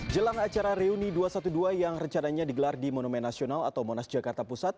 jelang acara reuni dua ratus dua belas yang rencananya digelar di monumen nasional atau monas jakarta pusat